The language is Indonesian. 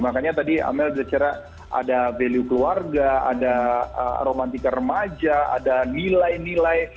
makanya tadi amel bicara ada value keluarga ada romantika remaja ada nilai nilai